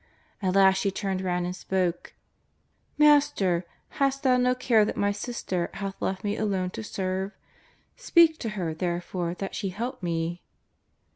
At last she turned round and spoke: " Master, hast Thou no care that my sister hath left me alone to serve? Speak to her, therefore, that she help me."